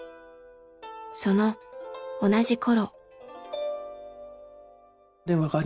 その同じ頃。